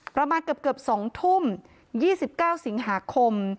ประมาณเกือบสองทุ่มยี่สิบเก้าสิงหาคม